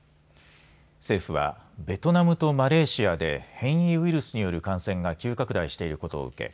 政府はベトナムとマレーシアで変異ウイルスによる感染が急拡大していることを受け